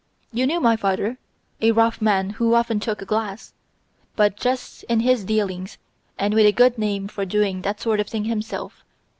You knew my father: a rough man who often took a glass, but just in his dealings, and with a good name for doing that sort of thing himself.